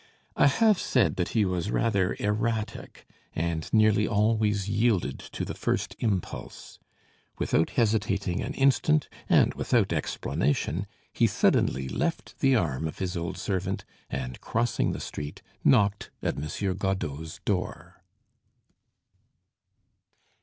I have said that he was rather erratic, and nearly always yielded to the first impulse. Without hesitating an instant, and without explanation, he suddenly left the arm of his old servant, and crossing the street, knocked at Monsieur Godeau's door.